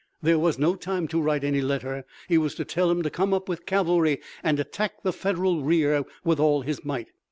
There was no time to write any letter. He was to tell him to come up with cavalry and attack the Federal rear with all his might.